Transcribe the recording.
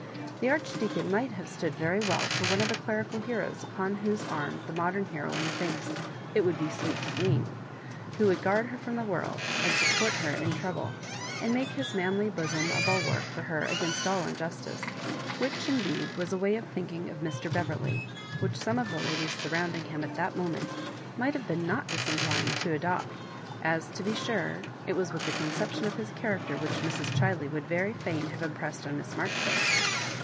The Arch deacon might have stood very well for one of the clerical heroes upon whose arm the modem he roine thinks it would be sweet to lean — who would guard her from the world, and support her in trouble, and make his manly bosom a bulwark for her agamst all injustice; which, indeed, was a way of thinking of Mr. Beverley which some of the ladies surrounding him at that moment might have been not disinclined to adopt, as, to be sure, ilTwas the conception of his character which Mrs. Cbiley would very fain have impressed on Miss Maijoribanks.